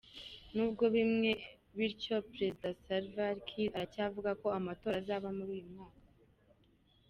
Nubwo bimwe bityo, Perezida Salva Kiir aracyavuga ko amatora azaba muri uyu mwaka.